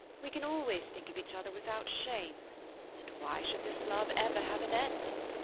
We can always think of each other without shame. And why should this love ever have an end?